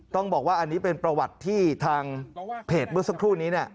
ต้องบอกว่าอันนี้เป็นประวัติที่ทางเพจเมื่อสักครู่นี้